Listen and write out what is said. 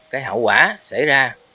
cái hậu quả xảy ra